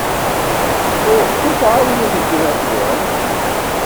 Ruḥet ad tɛawnem gma-twen.